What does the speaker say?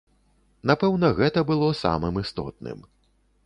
Напэўна, гэта было самым істотным.